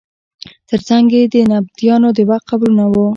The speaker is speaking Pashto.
تر څنګ یې د نبطیانو د وخت قبرونه وو.